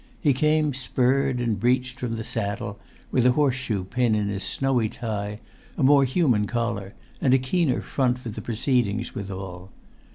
He came spurred and breeched from the saddle, with a horseshoe pin in his snowy tie, a more human collar, and a keener front for the proceedings withal.